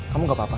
kamu gak apa apa